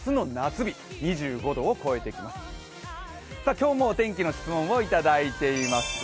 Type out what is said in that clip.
今日もお天気の質問をいただいています。